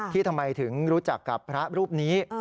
ทำไมถึงรู้จักกับพระรูปนี้